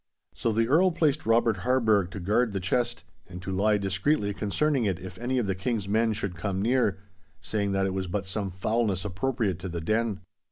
So the Earl placed Robert Harburgh to guard the chest, and to lie discreetly concerning it if any of the King's men should come near, saying that it was but some foulness appropriate to the den.